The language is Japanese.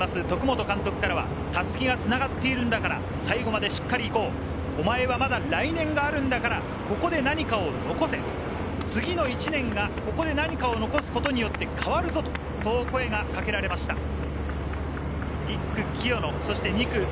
運営管理車に乗る徳本監督からは襷が繋がっているんだから最後までしっかり行こう、お前はまだ来年あるんだからここで何かを残せ、次の１年がここで何かを残すことによって変わるぞと声がかけられました。